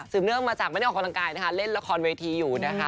เนื่องมาจากไม่ได้ออกกำลังกายนะคะเล่นละครเวทีอยู่นะคะ